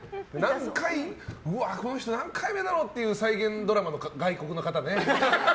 この人、何回目だろうっていう再現ドラマの外国の方ね。